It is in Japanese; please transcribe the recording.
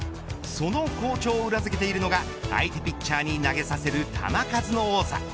その好調を裏付けているのが相手ピッチャーに投げさせる球数の多さ。